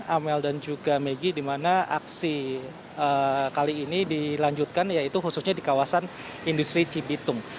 amel dan juga megi di mana aksi kali ini dilanjutkan yaitu khususnya di kawasan industri cibitung